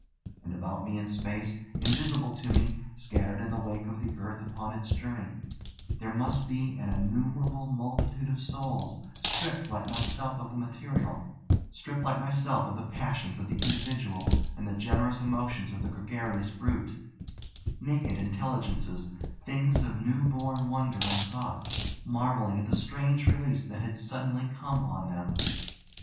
And about me in space, invisible to me, scattered in the wake of the earth upon its journey, there must be an innumerable multitude of souls, stripped like myself of the material, stripped like myself of the passions of the individual and the generous emotions of the gregarious brute, naked intelligences, things of new born wonder and thought, marvelling at the strange release that had suddenly come on them!